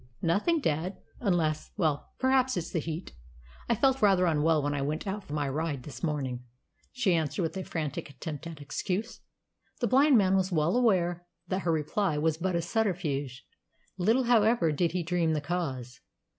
"Nothing, dad unless well, perhaps it's the heat. I felt rather unwell when I went out for my ride this morning," she answered with a frantic attempt at excuse. The blind man was well aware that her reply was but a subterfuge. Little, however, did he dream the cause.